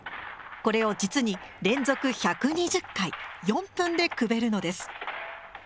これを実に連続１２０回４分でくべるのです。